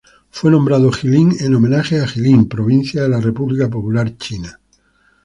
Fue nombrado Jilin en homenaje a Jilin provincia de la República Popular China.